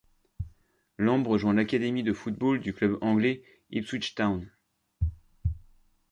Lambe rejoint l'académie de football du club anglais Ipswich Town.